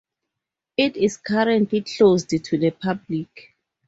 It is currently closed to the public.